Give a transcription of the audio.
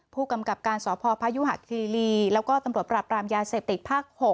ผู้กำกับการสพพยุหะคีรีแล้วก็ตำรวจปราบรามยาเสพติดภาค๖